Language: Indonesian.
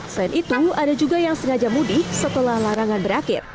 selain itu ada juga yang sengaja mudik setelah larangan berakhir